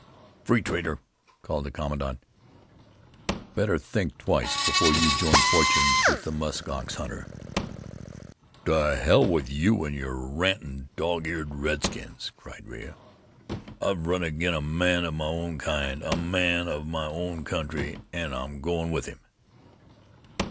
"Free trader!" called the commandant "Better think twice before you join fortunes with the musk ox hunter." "To hell with you an' your rantin', dog eared redskins!" cried Rea. "I've run agin a man of my own kind, a man of my own country, an' I'm goin' with him."